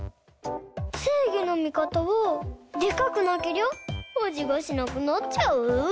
せいぎのみかたはでかくなけりゃ「味がしなくなっちゃう」？